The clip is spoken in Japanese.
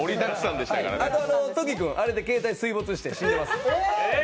あとトキ君、あれで携帯水没して死にました。